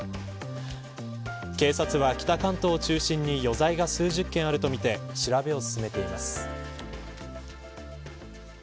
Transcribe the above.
警察は、北関東を中心に余罪が数十件あるとみて調べを進めています。